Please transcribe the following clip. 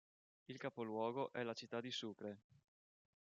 Il capoluogo è la città di Sucre.